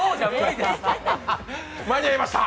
間に合いました！